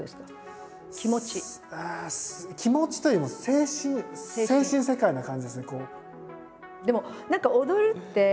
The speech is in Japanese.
気持ちというよりも精神世界な感じですね。